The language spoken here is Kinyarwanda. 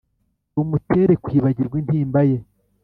rumutere kwibagirwa intimba ye